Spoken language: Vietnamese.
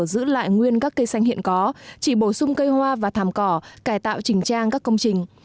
giữ lại nguyên các cây xanh hiện có chỉ bổ sung cây hoa và thàm cỏ cải tạo trình trang các công trình